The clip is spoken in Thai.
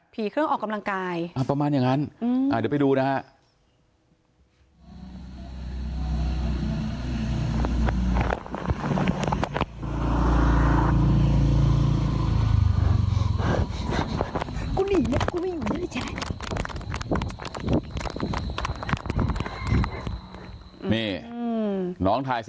เครื่องออกกำลังกายประมาณอย่างนั้นเดี๋ยวไปดูนะฮะ